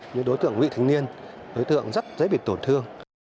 như đối tượng nghị thính niên đối tượng rất dễ bị tổn thương